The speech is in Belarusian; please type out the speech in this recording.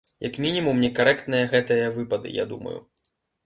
Як мінімум, некарэктныя гэтыя выпады, я думаю.